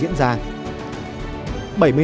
không thể diễn ra